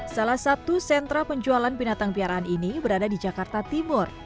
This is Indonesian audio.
salah satu sentra penjualan binatang piaraan ini berada di jakarta timur